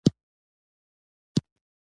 په لیرې پرتو سیمو کې ښوونځي جوړیږي.